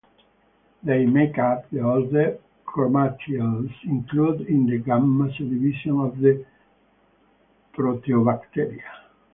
They make up the order Chromatiales, included in the gamma subdivision of the Proteobacteria.